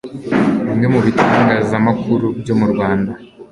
bimwe mu bitangazamakuru byo mu rwanda